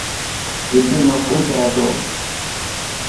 وڪي نوڪري ڪري ٿو.